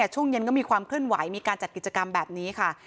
ช่วงเย็นก็มีความเคลื่อนไหวมีการจัดกิจกรรมแบบนี้ค่ะ